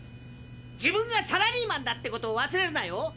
自分がサラリーマンだってことを忘れるなよ。